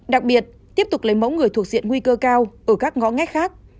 đặc biệt tiếp tục lấy mẫu người thuộc diện nguy cơ cao ở các ngõ ngách khác